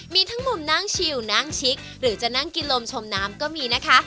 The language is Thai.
มีทั้งมุมนั่งชิวนั่งชิคหรือจะนั่งกินลมชมน้ำก็มีนะคะ